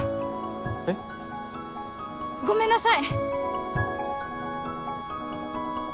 えっ？ごめんなさい！